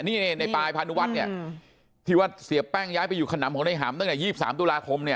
นี่ในปลายพานุวัฒน์เนี่ยที่ว่าเสียแป้งย้ายไปอยู่ขนำของในหำตั้งแต่๒๓ตุลาคมเนี่ย